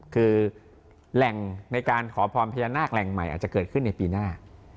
คือแหล่งในการขอพรพญานาคแหล่งใหม่อาจจะเกิดขึ้นในปีหน้า